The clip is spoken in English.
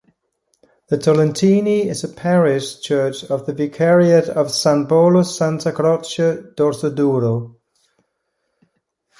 The Tolentini is a parish church of the Vicariate of San Polo-Santa Croce-Dorsoduro.